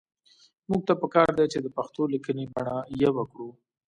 موږ ته پکار دي چې د پښتو لیکنۍ بڼه يوه کړو